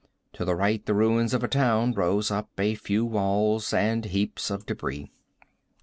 To the right the ruins of a town rose up, a few walls and heaps of debris.